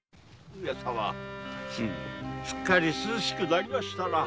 上様すっかり涼しくなりましたな。